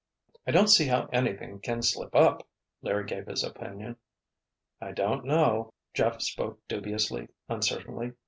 "I don't see how anything can slip up," Larry gave his opinion. "I don't know," Jeff spoke dubiously, uncertainly.